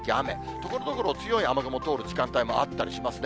ところどころ、強い雨雲通る時間帯もあったりしますね。